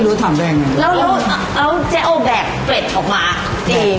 แล้วจะเอาแบกเป็นออกมาจริง